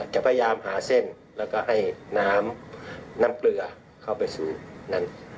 จะพยายามหาเส้นแล้วก็ให้น้ำน้ำเกลือเข้าไปสู่นั้น